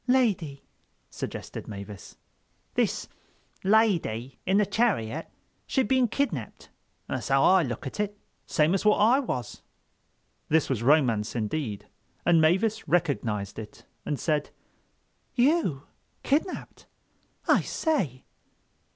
"Lady," suggested Mavis. "This lydy in the chariot, she'd been kidnapped—that's how I look at it. Same as what I was." This was romance indeed; and Mavis recognized it and said: "You, kidnapped? I say!"